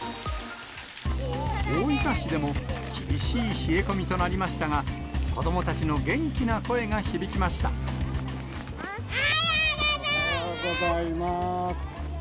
大分市でも、厳しい冷え込みとなりましたが、子どもたちの元気な声が響きましおはようございます。